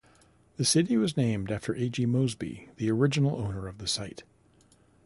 The city was named after A. G. Mosby, the original owner of the site.